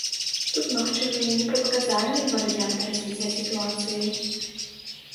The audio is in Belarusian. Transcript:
Тут магчымыя непрадказальныя варыянты развіцця сітуацыі.